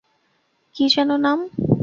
কী যেন নাম?